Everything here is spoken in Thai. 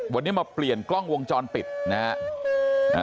วันนี้มาเปลี่ยนกล้องวงจรปิดนะฮะ